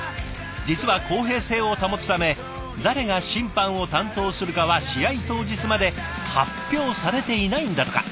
実は公平性を保つため誰が審判を担当するかは試合当日まで発表されていないんだとか。